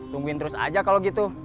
tungguin terus aja kalau gitu